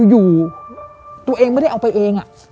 อยู่ตัวเองไม่ได้เอาไปเอง